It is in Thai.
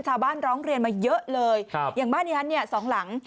ชาวบ้านร้องเรียนมาเยอะเลยอย่างบ้านนี้สองหลัง